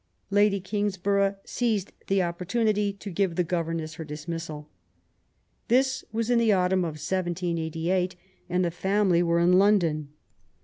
Lady Kings borough seized the opportunity to give the governess her dismissal. This was in the autumn of 1788, and the family were in London.